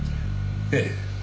ええ。